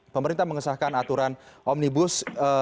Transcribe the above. pemerintah mengesahkan aturan omnibus